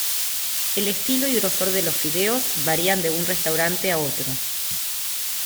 El estilo y grosor de los fideos varían de un restaurante a otros.